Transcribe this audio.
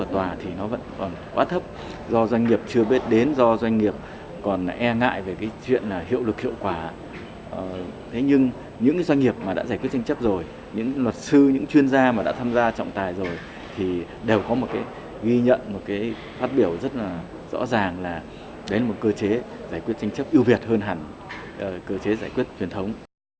thì đều có một ghi nhận một phát biểu rất rõ ràng là đấy là một cơ chế giải quyết tranh chấp yêu việt hơn hẳn cơ chế giải quyết truyền thống